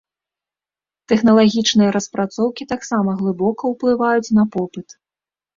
Тэхналагічныя распрацоўкі таксама глыбока ўплываюць на попыт.